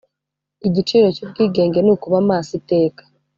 igiciro cyubwigenge ni ukuba maso iteka